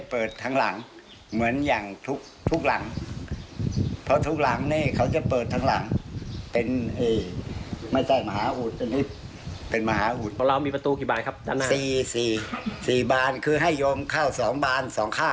ฝั่งก็ให้พระอุปสราคู่ชวดพระระดับและนาค